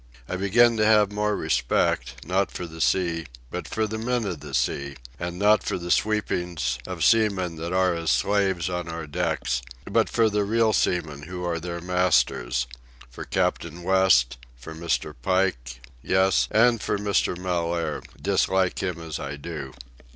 I begin to have more respect, not for the sea, but for the men of the sea, and not for the sweepings of seamen that are as slaves on our decks, but for the real seamen who are their masters—for Captain West, for Mr. Pike, yes, and for Mr. Mellaire, dislike him as I do.